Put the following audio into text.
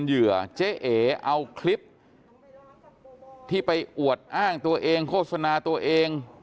เอาคลิปที่ไปอวดอ้างตัวเองโฆษณาตัวเอง